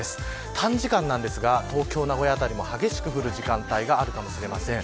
短時間なんですが東京、名古屋辺りも激しく降る時間帯があるかもしれません。